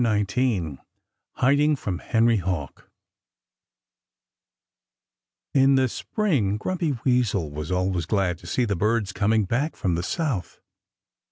XIX HIDING FROM HENRY HAWK In the spring Grumpy Weasel was always glad to see the birds coming back from the South.